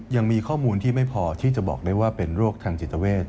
ยังมีข้อมูลที่ไม่พอที่จะบอกได้ว่าเป็นโรคทางจิตเวท